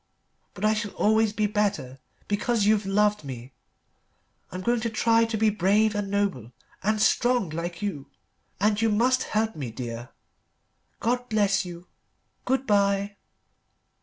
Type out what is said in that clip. But I shall always be better because you've loved me. I'm going to try to be brave and noble and strong like you. And you must help me, Dear. God bless you. Good bye."